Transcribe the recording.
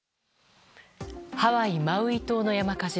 ハワイ・マウイ島の山火事。